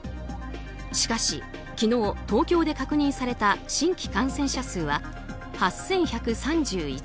しかし昨日、東京で確認された新規感染者数は８１３１人。